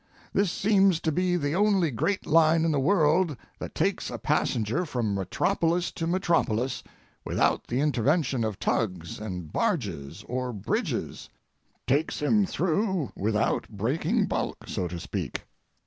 This seems to be the only great line in the world that takes a passenger from metropolis to metropolis without the intervention of tugs and barges or bridges—takes him through without breaking bulk, so to speak.